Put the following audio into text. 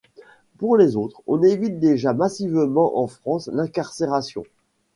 Pour les autres, on évite déjà massivement en France l’incarcération.